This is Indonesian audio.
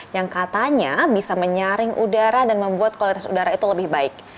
yang katanya bisa menyaring udara dan membuat kualitas udara itu lebih baik